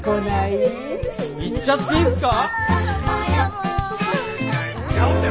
行っちゃっていいんすか！？